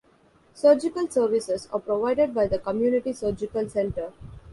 Surgical services are provided by the Community Surgical Center.